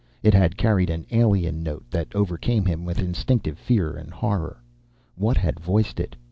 It had carried an alien note that overcame him with instinctive fear and horror. What had voiced it?